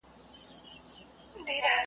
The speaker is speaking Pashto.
د ملغلري یو آب دی چي ولاړ سي .